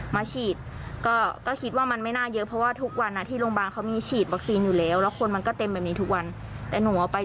มาฉีดก็คิดว่ามันไม่น่าเยอะเพราะว่าทุกวันที่โรงพยาบาลเขามีฉีดวัคซีนอยู่แล้วแล้วคนมันก็เต็มแบบนี้ทุกวันแต่หนูเอาไป